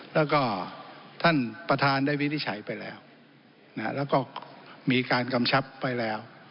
แล้วก็ท่านประธานได้วินิจฉัยไปแล้วแล้วก็มีการกำชับไปแล้ว